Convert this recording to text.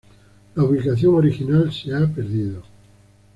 La ubicación original se ha perdido.